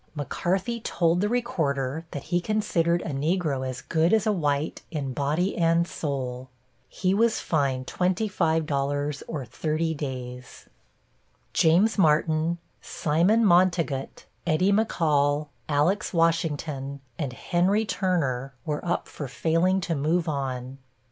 McCarthy told the recorder that he considered a Negro as good as a white in body and soul. He was fined $25 or thirty days. James Martin, Simon Montegut, Eddie McCall, Alex Washington and Henry Turner were up for failing to move on.